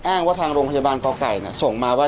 ว่าทางโรงพยาบาลกไก่ส่งมาว่า